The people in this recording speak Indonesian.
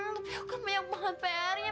tapi aku kan banyak banget prnya